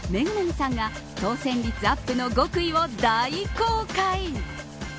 さんが当選率アップの極意を大公開。